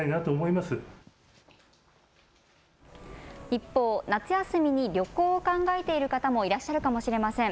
一方、夏休みに旅行を考えている方もいらっしゃるかもしれません。